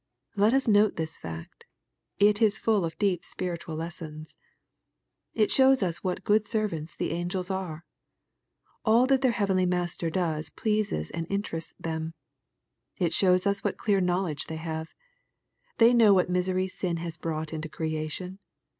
Let us note this fact. It is full of deep spiritual lessons. It shows us what good servants the angels are. All that their heavenly Master does pleases and interests them. — ^It shows us what clear knowledge they have. They know what misery sin has brought into creation.